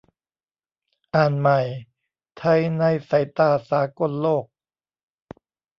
อ่านใหม่ : ไทยในสายตาสากลโลก